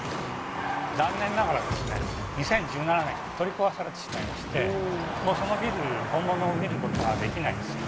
残念ながらですね２０１７年取り壊されてしまいましてもうそのビル本物を見ることができないんですよ。